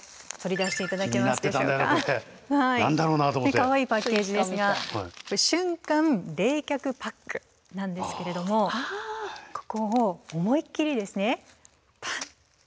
かわいいパッケージですが瞬間冷却パックなんですけれどもここを思いっきりですねパンッと。